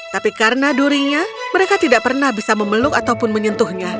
tapi karena durinya mereka tidak pernah bisa memeluk ataupun menyentuhnya